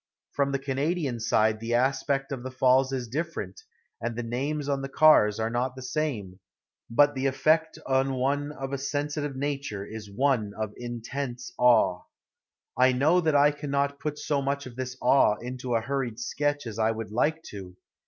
From the Canadian side the aspect of the falls is different, and the names on the cars are not the same, but the effect on one of a sensitive nature is one of intense awe. I know that I cannot put so much of this awe into a hurried sketch as I would like to.